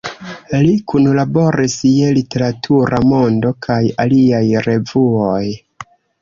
Li Kunlaboris je "Literatura Mondo" kaj aliaj revuoj.